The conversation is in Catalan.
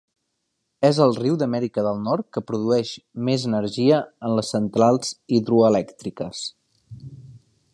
És el riu d'Amèrica del Nord que produeix més energia en les centrals hidroelèctriques.